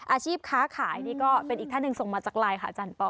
อาชีพค้าขายเป็นอีกท่านึงส่งมาจากไลน์ค่ะอาจารย์พร